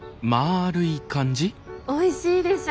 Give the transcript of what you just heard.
おいしいでしょ？